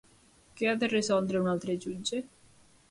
Què ha de resoldre un altre jutge?